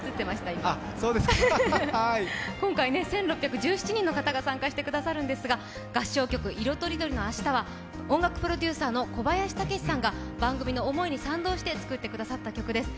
今今回１６１７人の方が参加してくださるんですが、合唱曲「いろとりどりのあした」は、音楽プロデューサーの小林武史さんが番組の思いに賛同して作ってくださった曲です。